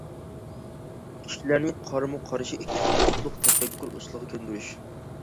كىشىلەرنى قارىمۇ قارشى ئىككى قۇتۇپلۇق تەپەككۇر ئۇسۇلىغا كۆندۈرۈش.